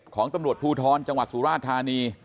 ของตำรวจภูทรจังหวัดสุราธานี